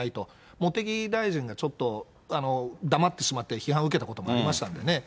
茂木大臣がちょっと、黙ってしまって、批判を受けたこともありましたよね。